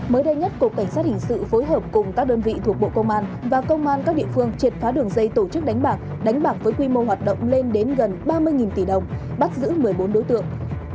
mới đây nhất cục cảnh sát hình sự phối hợp cùng các đơn vị thuộc bộ công an và công an các địa phương triệt phá đường dây tổ chức đánh bạc đánh bạc với quy mô hoạt động lên đến gần ba mươi tỷ đồng bắt giữ một mươi bốn đối tượng